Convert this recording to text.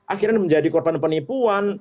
akhirnya menjadi korban penipuan